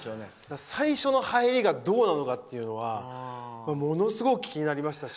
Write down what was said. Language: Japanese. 最初の入りがどうなのかがものすごく気になりましたし。